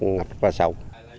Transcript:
ngập ra sâu